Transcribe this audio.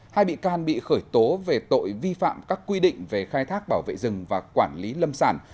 hai bị can bị khởi tố về tội vi phạm các quy định về khai thác bảo vệ rừng và quản lý lâm sản